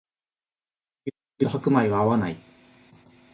牛乳と白米は合わない